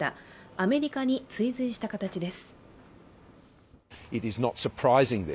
アメリカに追随した形です。